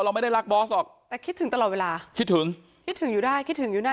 เราไม่ได้รักบอสหรอกแต่คิดถึงตลอดเวลาคิดถึงคิดถึงอยู่ได้คิดถึงอยู่ได้